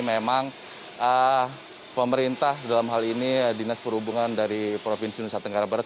memang pemerintah dalam hal ini dinas perhubungan dari provinsi nusa tenggara barat